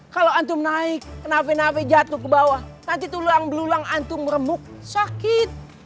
kalau antum naik kenapa kenapa jatuh ke bawah nanti tulang belulang antum meremuk sakit